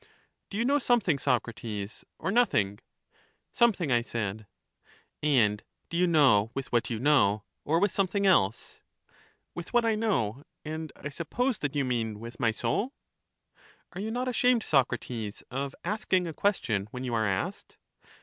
Do you know something, Socrates, or nothing? Something, I said. 256 EUTHYDEMUS And do you know with what you know, or with something else? With what I know; and I suppose that you mean with my soul? Are you not ashamed, Socrates, of asking a ques tion when you are asked?